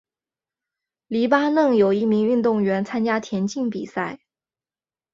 黎巴嫩有一名运动员参加田径比赛。